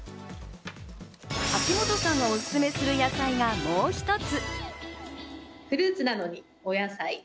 秋元さんがおすすめする野菜がもう一つ。